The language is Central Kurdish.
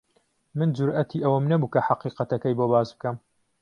من جورئەتی ئەوەم نەبوو کە حەقیقەتەکەی بۆ باس بکەم.